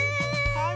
はい！